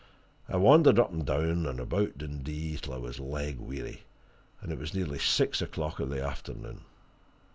I wandered up and down and about Dundee till I was leg weary, and it was nearly six o'clock of the afternoon.